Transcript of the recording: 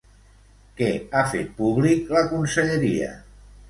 Què ha fet públic la conselleria?